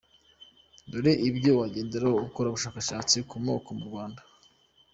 Dore ibyo yagendeyeho akora ubushakashatsi ku moko mu Rwanda.